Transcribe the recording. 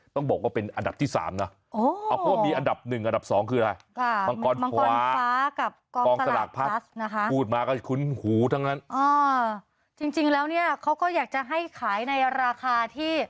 ต้องบอกว่าเป็นอันดับที่๓นะ